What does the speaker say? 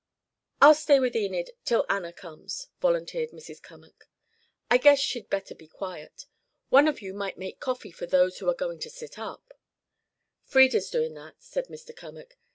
"I'll stay with Enid till Anna comes," volunteered Mrs. Cummack. "I guess she'd better be quiet. One of you might make coffee for those that are going to sit up " "Frieda's doin' that," said Mr. Cummack.